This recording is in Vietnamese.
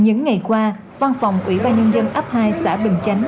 những ngày qua văn phòng ủy ban nhân dân ấp hai xã bình chánh